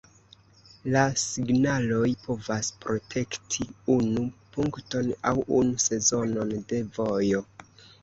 La signaloj povas protekti unu punkton aŭ unu sezonon de vojo.